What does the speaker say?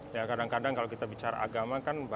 ya kadang kadang kalau kita bicara agama kan